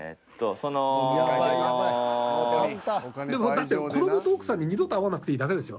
だって子供と奥さんに二度と会わなくていいだけですよ。